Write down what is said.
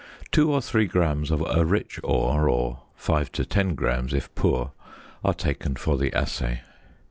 ~ Two or three grams of a rich ore, or 5 to 10 grams if poor, are taken for the assay.